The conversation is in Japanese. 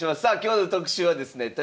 さあ今日の特集はですね